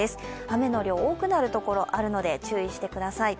雨の量、多くなるところがあるので注意してください。